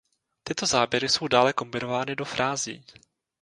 Tyto záběry jsou dále kombinovány do frází.